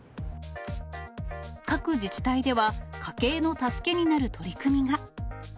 各自治体では、家計の助けになる取り組みが。